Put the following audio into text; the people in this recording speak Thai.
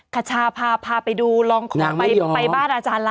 ขาชาภาษณ์พาไปดูลองได้กินไปบ้านอาจารย์แล้ว